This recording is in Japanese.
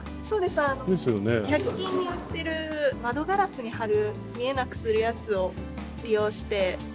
そうですあの１００均に売ってる窓ガラスに貼る見えなくするやつを利用して。